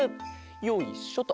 よいしょと。